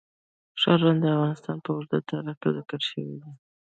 ښارونه د افغانستان په اوږده تاریخ کې ذکر شوی دی.